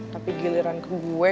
tapi giliran ke gue